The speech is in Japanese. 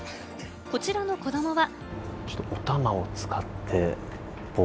こちらの子どもは。